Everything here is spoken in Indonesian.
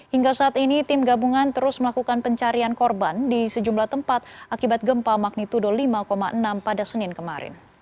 hingga saat ini tim gabungan terus melakukan pencarian korban di sejumlah tempat akibat gempa magnitudo lima enam pada senin kemarin